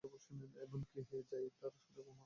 এমনকি যারীদ তার সাথে মন খুলে কথা বলে না।